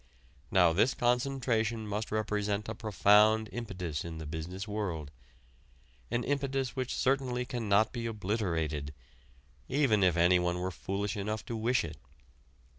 Now this concentration must represent a profound impetus in the business world an impetus which certainly cannot be obliterated, even if anyone were foolish enough to wish it.